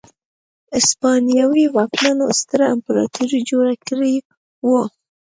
هسپانوي واکمنانو ستره امپراتوري جوړه کړې وه.